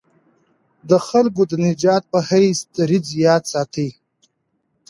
د خلکو د نجات په حیث دریځ یاد ساتي.